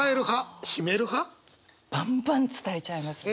バンバン伝えちゃいますね。